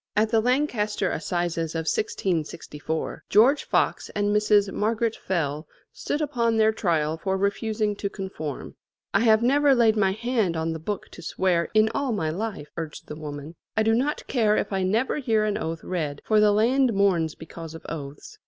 At the Lancaster Assizes of 1664, George Fox and Mrs. Margaret Fell stood upon their trial for refusing to conform. "I have never laid my hand on the book to swear in all my life," urged the woman. "I do not care if I never hear an oath read, for the land mourns because of oaths."